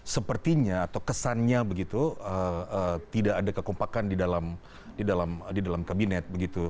sepertinya atau kesannya begitu tidak ada kekompakan di dalam kabinet